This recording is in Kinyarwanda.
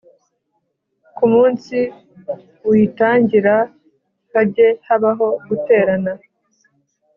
Ku munsi uyitangira hajye habaho guterana